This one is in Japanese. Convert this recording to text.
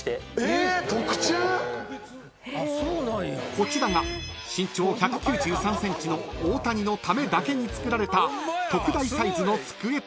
［こちらが身長１９３ｃｍの大谷のためだけにつくられた］